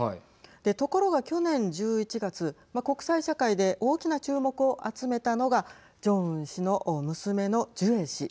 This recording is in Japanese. ところが去年１１月国際社会で大きな注目を集めたのがジョンウン氏の娘のジュエ氏。